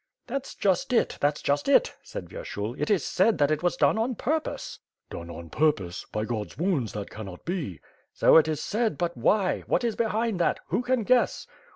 "That's just it, that's just it!" said Vyershul, "it is said that it was done on purpose." "Done on purpose? By God's wounds that cannot be!" "So it is said, but why? What is behind that? Who can guess?"